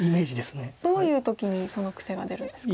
どういう時にその癖が出るんですか？